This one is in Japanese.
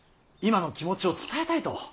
今の気持ちを伝えたいと。